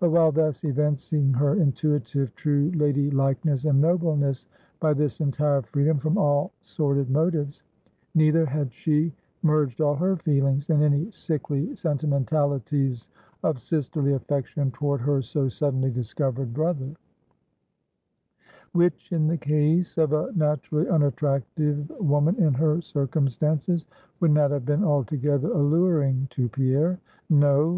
But while thus evincing her intuitive, true lady likeness and nobleness by this entire freedom from all sordid motives, neither had she merged all her feelings in any sickly sentimentalities of sisterly affection toward her so suddenly discovered brother; which, in the case of a naturally unattractive woman in her circumstances, would not have been altogether alluring to Pierre. No.